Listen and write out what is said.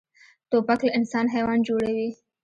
توپک له انسان حیوان جوړوي.